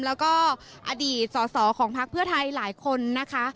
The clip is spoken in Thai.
แล้วก็อดีตสอสอของพักเพื่อไทยหลายคนนะคะ